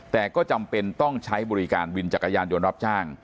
แต่ก็จำเป็นต้องใช้บริการวินจักรยานยนต์รับจ้าง